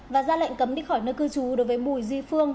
và ra lệnh cấm đi khỏi nơi cư trú đối với bùi duy phương